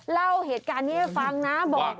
เล่าเหตุการณ์นี้ให้ฟังนะบอก